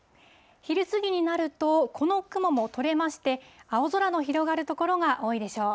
昼過ぎになると、この雲も取れまして、青空の広がる所が多いでしょう。